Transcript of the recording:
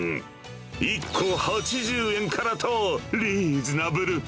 １個８０円からと、リーズナブル。